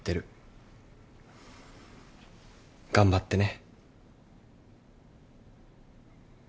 頑張ってね。